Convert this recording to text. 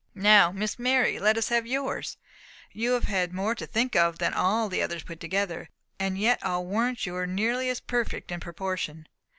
"Now, Miss Mary, let us have yours. You have had more to think of than all the others put together, and yet I'll warrant you are nearly as perfect in proportion."